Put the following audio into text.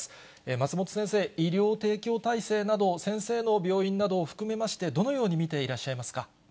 松本先生、医療提供体制など、先生の病院などを含めまして、どのように見ていらっしゃいます